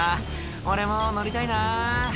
「俺も乗りたいな」